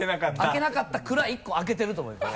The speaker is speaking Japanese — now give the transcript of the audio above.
開けなかった蔵１個開けてると思います。